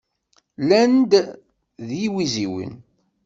Llan-d d yiwiziwen.